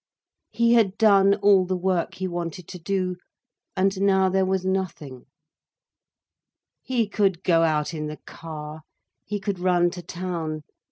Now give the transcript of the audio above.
He had done all the work he wanted to do—and now there was nothing. He could go out in the car, he could run to town.